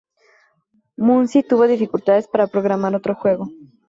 Muncie tuvo dificultades para programar otro juego.